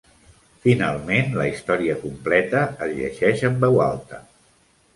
Finalment, la història completa es llegeix en veu alta.